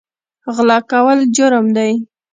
غلا کول جرم دی